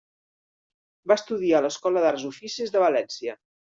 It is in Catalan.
Va estudiar a l'Escola d'Arts i Oficis de València.